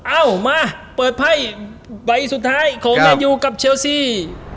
เอ้ามาเปิดไพรต์ไบสุดท้ายของมันยูกับเชลสี